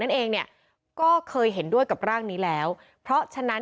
ทางคุณชัยธวัดก็บอกว่าการยื่นเรื่องแก้ไขมาตรวจสองเจน